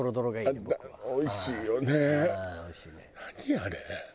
あれ。